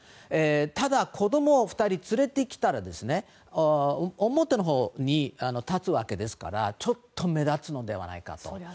ただ、子供２人連れてきたら表のほうに立つわけですからちょっと目立つのではないかと。